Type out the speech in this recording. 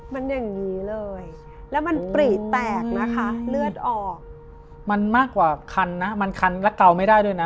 มันอย่างนี้เลยแล้วมันปรีแตกนะคะเลือดออกมันมากกว่าคันนะมันคันและเกาไม่ได้ด้วยนะ